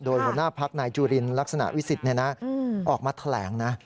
โดยหัวหน้าพักนายจุลินลักษณะวิสิทธิ์ออกมาแถลงนะ